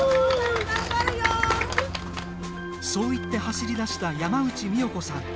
そう言って走り出した山内美代子さん。